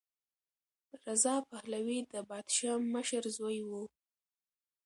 رضا پهلوي د پادشاه مشر زوی و.